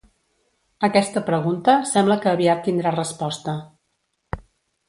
Aquesta pregunta sembla que aviat tindrà resposta.